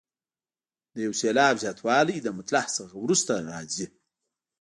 د یو سېلاب زیاتوالی د مطلع څخه وروسته راځي.